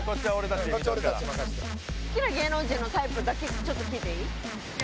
好きな芸能人のタイプだけちょっと聞いていい？